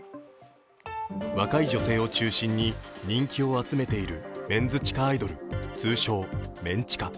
若い女性を中心に人気を集めているメンズ地下アイドル、通称、メン地下。